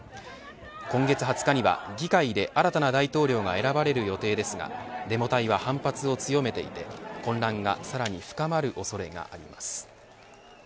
今月２０日には議会で新たな大統領が選ばれる予定ですが、デモ隊は反発を強めていて混乱がさらに深まる恐れがあります。